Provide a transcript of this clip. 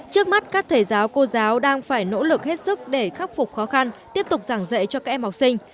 trước mắt các thầy giáo cô giáo đang phải nỗ lực hết sức để khắc phục khó khăn tiếp tục giảng dạy cho các em học sinh